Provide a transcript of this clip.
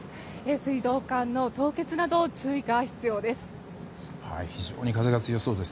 水道管の凍結など注意が必要です。